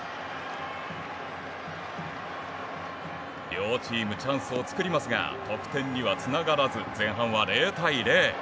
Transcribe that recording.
両チーム、チャンスを作りますが得点にはつながらず前半は０対０。